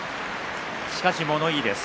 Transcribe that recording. しかし、物言いです。